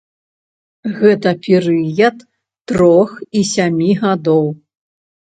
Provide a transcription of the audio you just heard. Гэта перыяд трох і сямі гадоў.